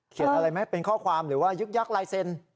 อะไรไหมเป็นข้อความหรือว่ายึกยักษ์ลายเซ็นต์